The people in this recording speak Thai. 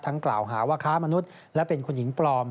กล่าวหาว่าค้ามนุษย์และเป็นคนหญิงปลอม